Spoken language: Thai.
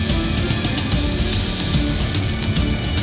ต้องกลับมาด้วย